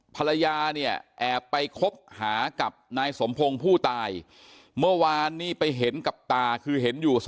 ภรรยาเนี่ยแอบไปคบหากับนายสมพงศ์ผู้ตายเมื่อวานนี้ไปเห็นกับตาคือเห็นอยู่